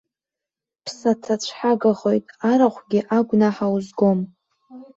Ԥсаҭацәҳагахоит, арахәгьы агәнаҳа узгом.